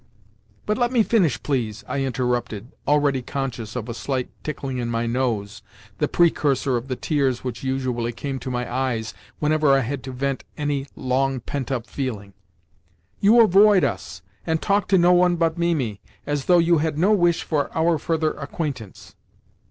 "But let me finish, please," I interrupted, already conscious of a slight tickling in my nose—the precursor of the tears which usually came to my eyes whenever I had to vent any long pent up feeling. "You avoid us, and talk to no one but Mimi, as though you had no wish for our further acquaintance."